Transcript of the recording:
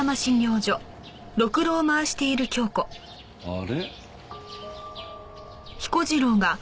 あれ？